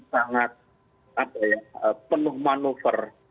situasi yang sangat penuh manuver